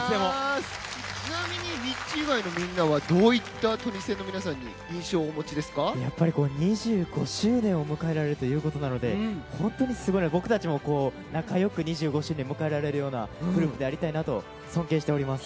ちなみにみっちー以外のみんなはどういったトニセンの皆さんに印象を２５周年を迎えられたということなので僕たちも仲良く２５周年迎えられるようなグループでありたいなと尊敬しております。